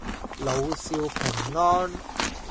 老少平安